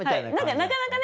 なかなかね